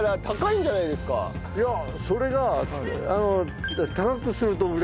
いやそれが。